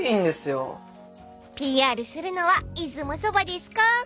［ＰＲするのは出雲そばですか？］